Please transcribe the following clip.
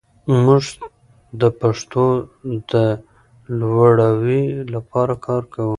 موږ د پښتو د لوړاوي لپاره کار کوو.